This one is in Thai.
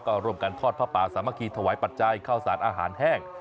ก็ร่วมกันทอดผ้าป่าสามัคคีถวายปัจจัยข้าวสารอาหารแห้ง